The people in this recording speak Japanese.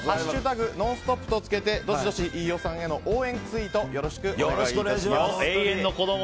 「＃ノンストップ」とつけてどしどし飯尾さんへの応援ツイートよろしくお願い致します。